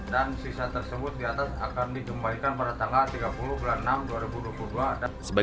dan sisa tersebut di atas akan dikembalikan pada tanggal tiga puluh bulan enam dua ribu dua puluh dua